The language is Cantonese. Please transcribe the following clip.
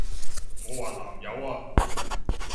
我話南柚啊！